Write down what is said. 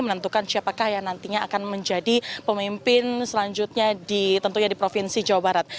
menentukan siapakah yang nantinya akan menjadi pemimpin selanjutnya tentunya di provinsi jawa barat